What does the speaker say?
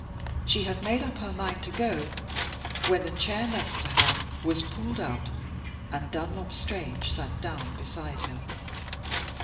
She had made up her mind to go, when the chair next to her was pulled out, and Dunlop Strange sat down beside her.